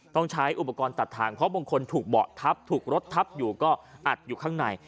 ต้องใช้อุปกรณ์ตัดทางเพราะบางคนถูกเบาะทับถูกรถทับอยู่ก็อัดอยู่ข้างใน